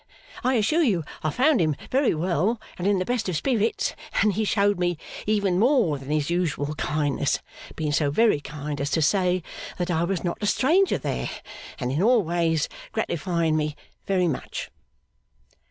I assure you I found him very well and in the best of Spirits, and he showed me even more than his usual kindness; being so very kind as to say that I was not a stranger there, and in all ways gratifying me very much.